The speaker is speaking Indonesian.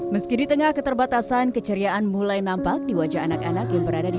meski di tengah keterbatasan keceriaan mulai nampak di wajah anak anak yang berada di